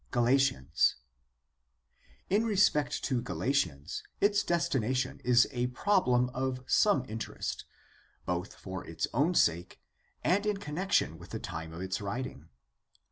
Galalians: — In respect to Galatians, its destination is a .problem of some interest, both for its own sake and in con nection with the time of its writing.